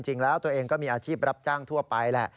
จริงแล้วตัวเองก็มีอาชีพรับจ้างทั่วไปแหละ